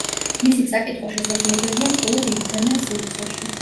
მისი წაკითხვა შესაძლებელია მხოლოდ ინტერნეტ-სივრცეში.